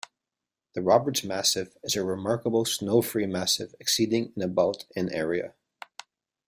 The Roberts Massif is a remarkable snow-free massif exceeding and about in area.